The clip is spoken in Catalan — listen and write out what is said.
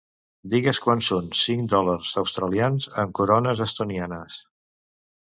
Digues quant són cinc dòlars australians en corones estonianes.